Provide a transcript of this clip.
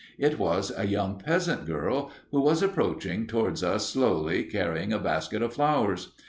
It was a young peasant girl, who was approaching towards us slowly, carrying a basket of flowers.